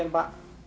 saya mau ke rumahnya